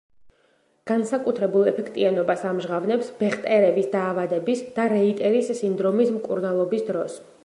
განსაკუთრებულ ეფექტიანობას ამჟღავნებს ბეხტერევის დაავადების და რეიტერის სინდრომის მკურნალობის დროს.